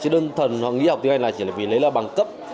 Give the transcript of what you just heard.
tâm thần họ nghĩ học tiếng anh là chỉ vì lấy loại bằng cấp